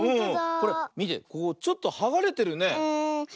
これみてここちょっとはがれてるね。